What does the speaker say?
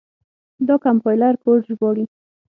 دا کمپایلر کوډ ژباړي.